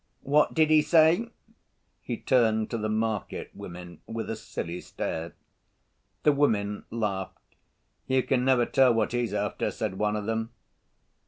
"What did he say?" He turned to the market women with a silly stare. The women laughed. "You can never tell what he's after," said one of them.